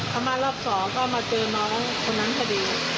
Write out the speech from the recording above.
เขามารอบสองก็มาเจอน้องคนนั้นพอดี